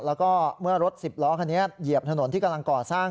แล้วก็เมื่อรถสิบล้อคันนี้เหยียบถนนที่กำลังก่อสร้าง